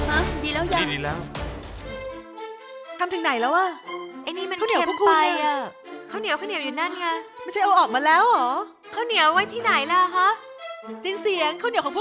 อันนี้ดีแล้ว